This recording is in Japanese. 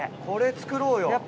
これ作ろうよ。